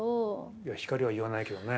いや光は言わないけどね。